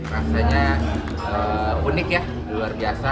rasanya unik ya luar biasa